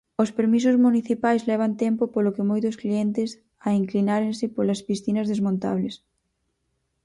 Os permisos municipais levan tempo polo que moitos clientes a inclinárense polas piscinas desmontables.